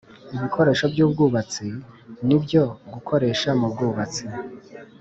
ibikoresho by ubwubatsi nibyo gukoresha mubwubatsi